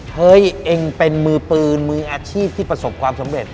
เฮ้ยเองเป็นมือปืนมืออาชีพที่ประสบความสำเร็จ